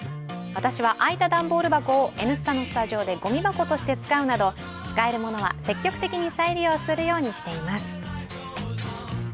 私は空いた段ボール箱をＮスタのスタジオでゴミ箱として使うなど使えるものは積極的に再利用するようにしています